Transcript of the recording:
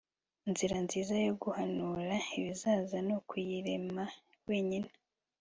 inzira nziza yo guhanura ibizaza nukuyirema wenyine